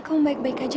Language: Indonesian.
kamu ada di mana